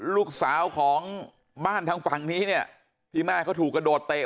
ลูกสาวของบ้านทางฝั่งนี้เนี่ยที่แม่เขาถูกกระโดดเตะ